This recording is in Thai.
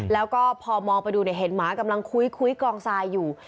แล้วก็พอมองไปดูเห็นหมากำลังคุยกองทรายอยู่